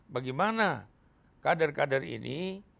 bagaimana kader kader ini